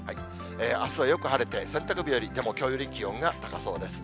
あすはよく晴れて洗濯日和、でもきょうより気温は高そうです。